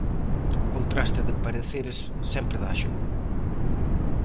O contraste de pareceres sempre dá xogo